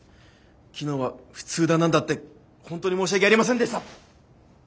昨日は普通だ何だって本当に申し訳ありませんでした。